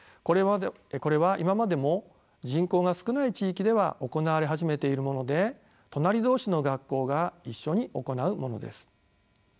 これは今までも人口が少ない地域では行われ始めているもので隣同士の学校が一緒に行うものです。